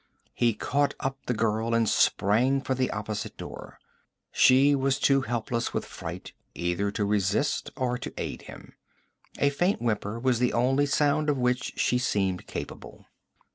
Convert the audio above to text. He caught up the girl and sprang for the opposite door. She was too helpless with fright either to resist or to aid him. A faint whimper was the only sound of which she seemed capable.